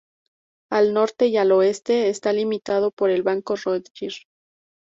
Al norte y al oeste está limitado por el banco Dogger.